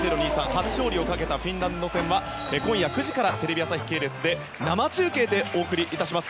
初勝利をかけたフィンランド戦は今夜９時からテレビ朝日系列で生中継でお送りします。